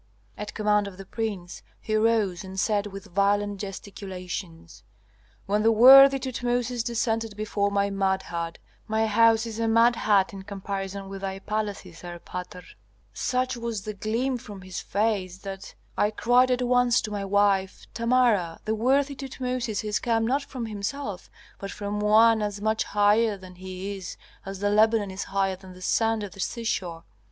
At command of the prince, he rose and said with violent gesticulations, "When the worthy Tutmosis descended before my mud hut my house is a mud hut in comparison with thy palaces, erpatr such was the gleam from his face that I cried at once to my wife, 'Tamara, the worthy Tutmosis has come not from himself, but from one as much higher than he as the Lebanon is higher than the sand of the seashore.'